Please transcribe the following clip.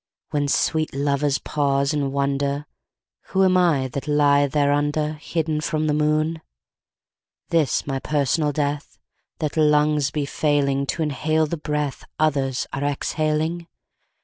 When sweet lovers pause and wonder Who am I that lie thereunder, Hidden from the moon? This my personal death? That lungs be failing To inhale the breath Others are exhaling?